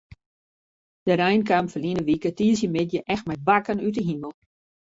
De rein kaam ferline wike tiisdeitemiddei echt mei bakken út de himel.